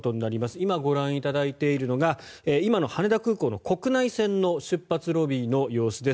今、ご覧いただいているのが今の羽田空港の国内線の出発ロビーの様子です。